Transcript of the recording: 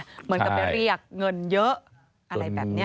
เหมือนกับไปเรียกเงินเยอะอะไรแบบนี้